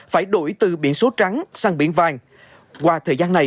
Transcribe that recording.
phải đổi từ biển số trắng sang biển vàng